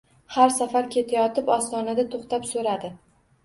Har safar ketayotib, ostonada toʻxtab, soʻradi.